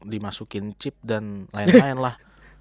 dimasukin chip dan lain lain lah